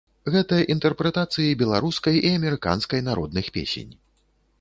Гэта інтэрпрэтацыі беларускай і амерыканскай народных песень.